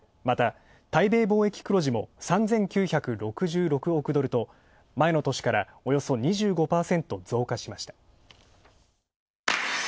また、対米貿易黒字も３９６６億ドルと前の年からおよそ２５％増加しました。